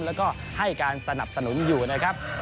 แล้วก็ให้การสนับสนุนอยู่นะครับ